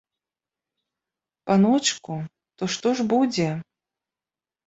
Паночку, то што ж будзе?